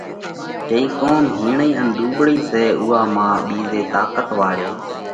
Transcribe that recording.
جئِي قُوم ھيڻئي ان ۮُوٻۯئِي سئہ اُوئا مانھ ٻِيزئِي طاقت واۯئِي